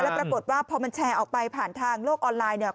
ปรากฏว่าพอมันแชร์ออกไปผ่านทางโลกออนไลน์เนี่ย